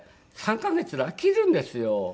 ３カ月で飽きるんですよ。